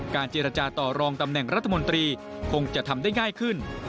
เจรจาต่อรองตำแหน่งรัฐมนตรีคงจะทำได้ง่ายขึ้น